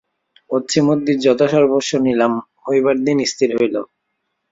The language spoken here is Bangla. অছিমদ্দির যথাসর্বস্ব নিলাম হইবার দিন স্থির হইল।